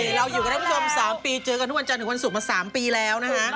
เราอยู่กับท่านผู้ชม๓ปีเจอกันทุกวันจันทร์ถึงวันศุกร์มา๓ปีแล้วนะฮะ